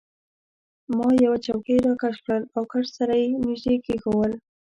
ما یوه چوکۍ راکش کړل او کټ سره يې نژدې کښېښوول.